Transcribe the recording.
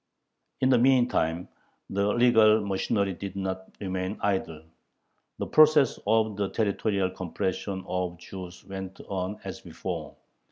In the meantime the legal machinery did not remain idle. The process of the territorial compression of Jews went on as before.